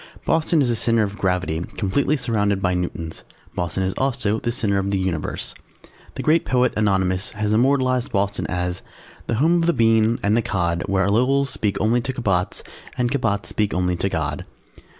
BOSTON is a centre of Gravity completely surrounded by Newtons. BOSTON is also the centre of the Universe. [Illustration: A PERFECT DAY IN BOSTON] The great poet Anonymous has immortalized Boston as "The home of the Bean and the Cod Where Lowells speak only to Cabots _And Cabots speak only to God."